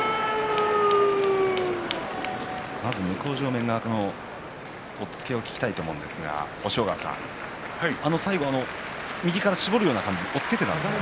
向正面側の押っつけを聞きたいと思うんですが押尾川さん最後、右から絞るような感じで押っつけていましたか。